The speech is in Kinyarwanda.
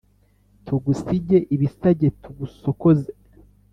Tugusige ibisage tugusokoze